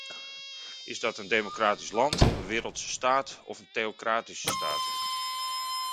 Is dat een democratisch land, een wereldse staat of een theocratische staat?